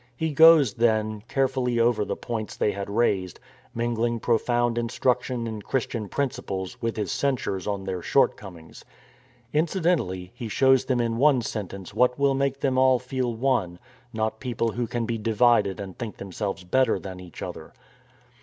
He goes, then, carefully over the points they had raised, mingling profound instruction in Christian principles with his censures on their short comings. Incidentally, he shows them in one sentence THE DEFIANCE OF ARTEMIS 257 what will make them all feel one, not people who can be divided and think themselves better than each other.